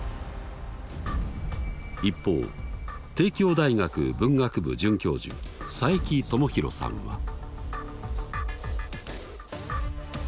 一方帝京大学文学部准教授佐伯智広さんは。